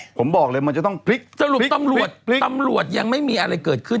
ผมบอกเลยมันจะต้องพลิกสรุปตำรวจตำรวจยังไม่มีอะไรเกิดขึ้น